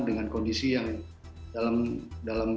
dengan kondisi yang dalam posisi yang tidak berguna